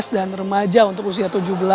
dan remaja untuk usia tujuh belas